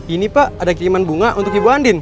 ini pak ada kiriman bunga untuk ibu andin